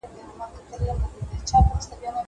که وخت وي، موبایل کاروم.